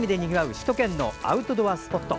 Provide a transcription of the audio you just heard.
首都圏のアウトドアスポット。